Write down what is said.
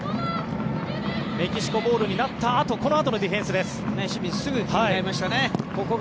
メキシコボールになったあとこのあとのディフェンスです。